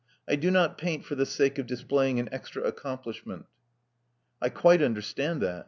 I do not paint for the sake of displajdng an extra accomplishment." *'I quite understand that.